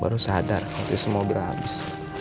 baru sadar nanti semua berhabis